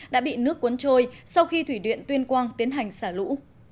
đã bị nước cuốn trôi sau khi thủy điện tuyên quang tiến hành xả lũ